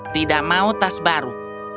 tidak mau tas baru